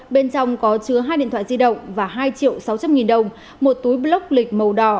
bên trong có chứa hai điện thoại di động và hai triệu sáu trăm linh nghìn đồng một túi block lịch màu đỏ